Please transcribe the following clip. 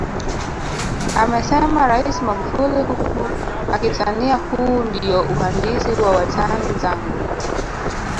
Amesema Rais Magufuli huku akitania huu ndiyo uhandisi wa watani zangu